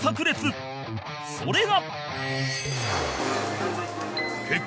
それが